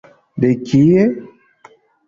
De kie?